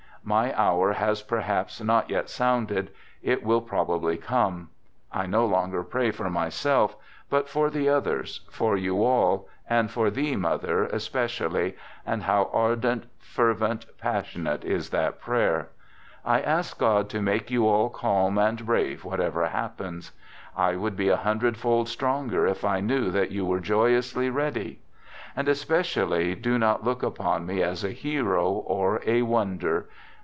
...... My hour has perhaps not yet sounded. It will probably come. I no longer pray for myself, but for the others, for you all, and for thee, mother, especially; and how ardent, fervent, passionate is that prayer. I ask God to make you all calm and brave whatever happens. I would be a hundredfold stronger if I knew that you were joyously ready. And especially do not look upon me as a hero or a wonder.